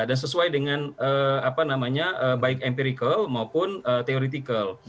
dan sesuai dengan baik empirical maupun theoretical